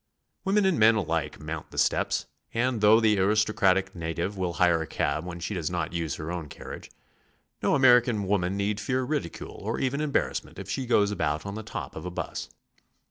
Women and men alike mount the steps, and though the aristocratic native will hire a cab When she does not use her own car riage, no American woman need fear ridicule or even em barrassment if she goes about on the top of a bus.